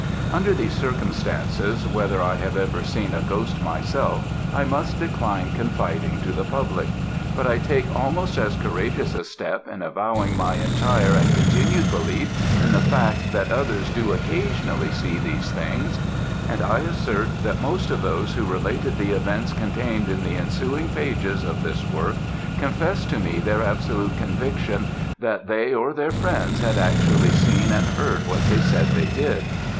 Under these circumstances, whether I have ever seen a ghost, myself, I must decline confiding to the public; but I take almost as courageous a step in avowing my entire and continued belief in the fact that others do occasionally see these things; and I assert, that most of those who related the events contained in the ensuing pages of this work, confessed to me their absolute conviction that they or their friends had actually seen and heard what they said they did.